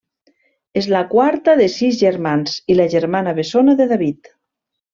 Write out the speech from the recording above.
És la quarta de sis germans i la germana bessona de David.